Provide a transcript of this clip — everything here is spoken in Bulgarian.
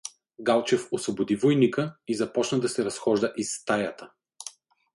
Галчев освободи войника и започна да се разхожда из стаята.